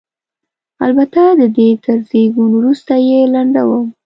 البته د دې تر زېږون وروسته یې لنډوم.